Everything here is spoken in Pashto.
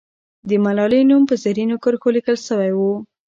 د ملالۍ نوم په زرینو کرښو لیکل سوی.